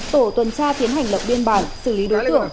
tổ tuần tra tiến hành lập biên bản xử lý đối tượng